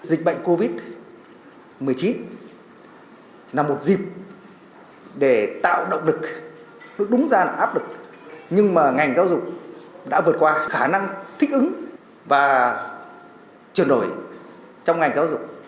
dịch bệnh covid một mươi chín là một dịp để tạo động lực đúng ra là áp lực nhưng mà ngành giáo dục đã vượt qua khả năng thích ứng và chuyển đổi trong ngành giáo dục